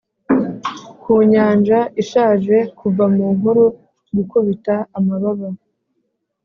ku nyanja ishaje kuva mu nkuru, gukubita amababa,